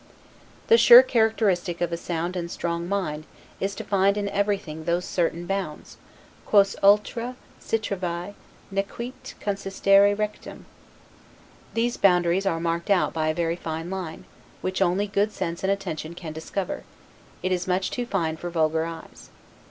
The sure characteristic of a sound and strong mind, is to find in everything those certain bounds, 'quos ultra citrave nequit consistere rectum'. These boundaries are marked out by a very fine line, which only good sense and attention can discover; it is much too fine for vulgar eyes.